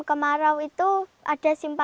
karena bekerja itu sangat mengasihkan